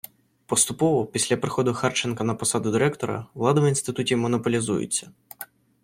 Поступово, після приходу Харченка на посаду Директора, влада в Інституті монополізується.